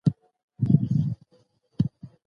موږ باید د دین اصولو ته پاملرنه وکړو.